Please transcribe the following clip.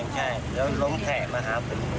ใช่แล้วล้มแข่มาฮะ